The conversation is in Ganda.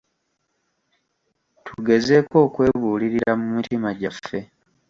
Tugezeeko okwebuulirira mu mitima gyaffe.